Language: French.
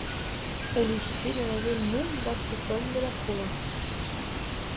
Elle est située dans la zone non bascophone de la province.